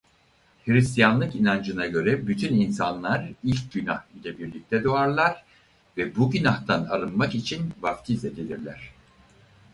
Hristiyanlık inancına göre bütün insanlar ilk günah ile birlikte doğar ve bu günahtan arınmak için vaftiz edilirler.